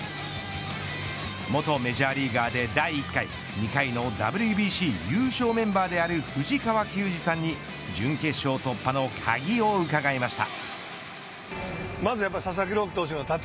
元メジャーリーガーで第１回、２回のＷＢＣ優勝メンバーである藤川球児さんに準決勝突破の鍵を伺いました。